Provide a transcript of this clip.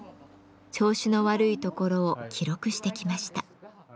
調子の悪いところを記録してきました。